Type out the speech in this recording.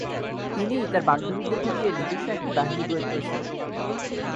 তিনি তার বান্ধবীদেরকে নিয়ে নিজস্ব একটি বাহিনী গড়ে তুলেছিলেন।